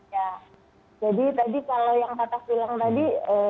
ya jadi tadi kalau yang patah bilang tadi